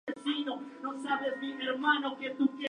En las inmediaciones se encuentra el Dolmen del Gigante.